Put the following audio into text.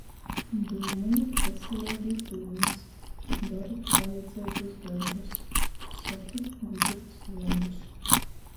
Dūmojit veseleigys dūmys, dorit vajadzeigus dorbus, sokit gudrus vuordus...